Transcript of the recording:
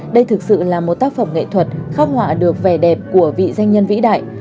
đây thực sự là một tác phẩm nghệ thuật khắc họa được vẻ đẹp của vị doanh nhân vĩ đại